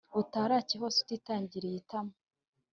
utarake hose utitangiriye itama